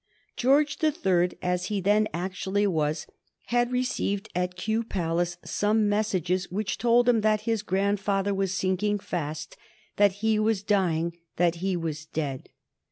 George the Third, as he then actually was, had received at Kew Palace some messages which told him that his grandfather was sinking fast, that he was dying, that he was dead.